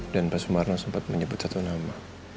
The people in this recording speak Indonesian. dan pak sumarno sempat menyebut satu nama